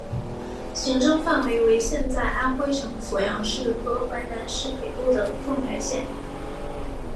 行政范围为现在安徽省阜阳市和淮南市北部的凤台县。